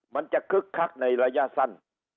มันจะคึกคักในระยะสั้น